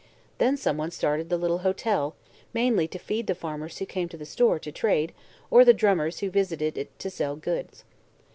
Then someone started the little "hotel," mainly to feed the farmers who came to the store to trade or the "drummers" who visited it to sell goods.